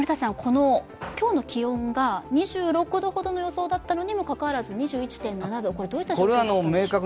今日の気温が２６度ほどの予想だったにもかかわらず２１．７度、どういった条件だったんでしょう。